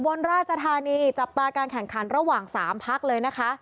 นราชธานีจับตาการแข่งขันระหว่าง๓พักเลยนะคะ